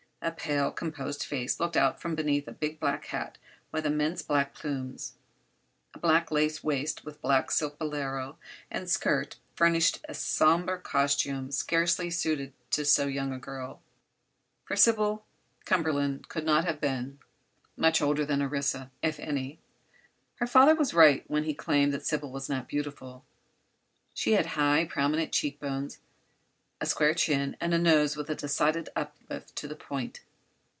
A pale, composed face looked out from beneath a big black hat with immense black plumes. A black lace waist with black silk bolero and skirt furnished a somber costume scarcely suited to so young a girl, for Sybil Cumberford could not have been much older than Orissa, if any. Her father was right when he claimed that Sybil was not beautiful. She had high, prominent cheek bones, a square chin and a nose with a decided uplift to the point.